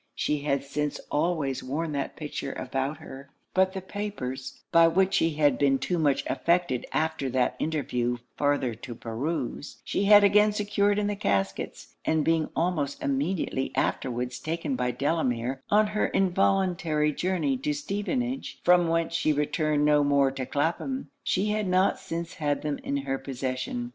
She had since always worn that picture about her; but the papers, by which she had been too much affected after that interview farther to peruse, she had again secured in the caskets; and being almost immediately afterwards taken by Delamere on her involuntary journey to Stevenage, from whence she returned no more to Clapham, she had not since had them in her possession.